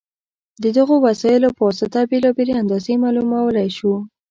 د دغو وسایلو په واسطه بېلابېلې اندازې معلومولی شو.